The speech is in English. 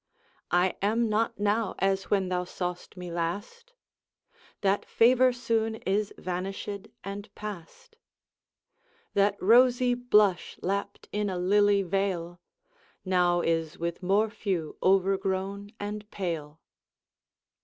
I am not now as when thou saw'st me last, That favour soon is vanished and past; That rosy blush lapt in a lily vale, Now is with morphew overgrown and pale.